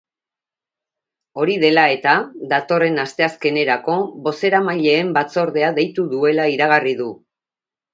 Hori dela eta, datorren asteazkenerako bozeramaileen batzordea deitu duela iragarri du.